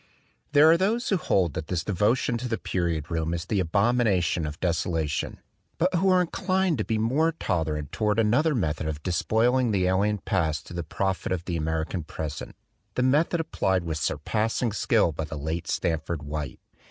There are those who hold that this devotion to the period room is the abomination of deso lation, but who are inclined to be more tolerant toward another method of despoiling the alien past to the profit of the American present, the method applied with surpassing skill by the late Stanford White.